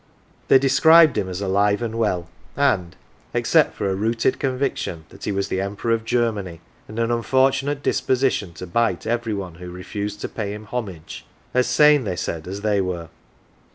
They described him as alive and well, and except for a rooted conviction that he was the Emperor of Germany, and an unfortunate disposition to bite every one who refused to pay him homage as sane, they said, as they were.